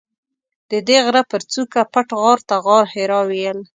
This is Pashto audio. ددې غره پر څوکه پټ غار ته غارحرا ویل.